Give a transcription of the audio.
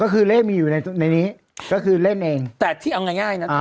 ก็คือเล่นมีอยู่ในนี้ก็คือเล่นเองแต่ที่เอาง่ายนะ